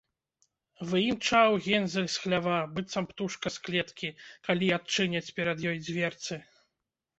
Выімчаў Гензель з хлява, быццам птушка з клеткі, калі адчыняць перад ёй дзверцы